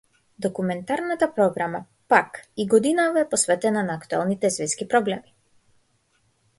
Документарната програма, пак, и годинава е посветена на актуелните светски проблеми.